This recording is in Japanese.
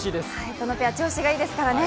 このペア、調子がいいですからね。